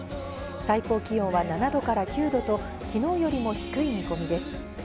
最高気温は７度から９度と昨日よりも低い見込みです。